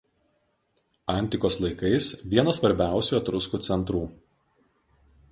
Antikos laikais vienas svarbiausių etruskų centrų.